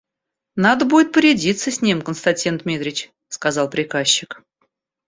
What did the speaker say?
Надо будет порядиться с ним, Константин Дмитрич, — сказал приказчик.